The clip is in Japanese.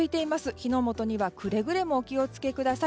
火の元にはくれぐれもお気を付けください。